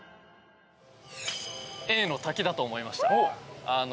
Ａの滝だと思いました。